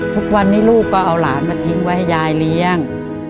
ทุกวันนี้ลูกก็เอาหลานมาทิ้งไว้ให้ยายเลี้ยง